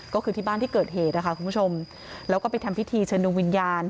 ก็คือที่บ้านที่เกิดเหตุนะคะคุณผู้ชมแล้วก็ไปทำพิธีเชิญดวงวิญญาณ